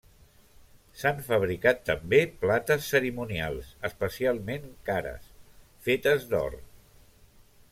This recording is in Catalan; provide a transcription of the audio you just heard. S'han fabricat també plates cerimonials, especialment cares, fetes d'or.